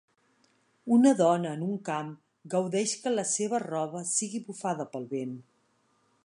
Una dona en un camp gaudeix que la seva roba sigui bufada pel vent.